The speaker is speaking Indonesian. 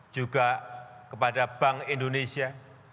juga kepada bank indonesia